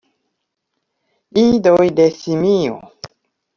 Idoj de simio!